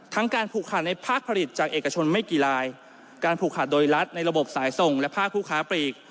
การผูกขาดในภาคผลิตจากเอกชนไม่กี่ลายการผูกขาดโดยรัฐในระบบสายส่งและภาคผู้ค้าปลีก